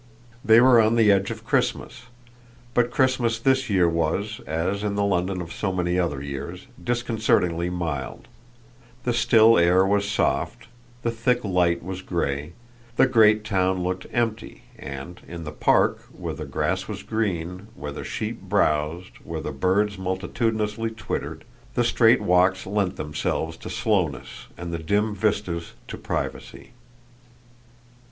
They were on the edge of Christmas, but Christmas this year was, as in the London of so many other years, disconcertingly mild; the still air was soft, the thick light was grey, the great town looked empty, and in the Park, where the grass was green, where the sheep browsed, where the birds multitudinously twittered, the straight walks lent themselves to slowness and the dim vistas to privacy.